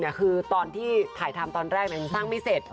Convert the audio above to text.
คือตอนที่ถ่ายทำตอนแรกยังสร้างไม่เสร็จ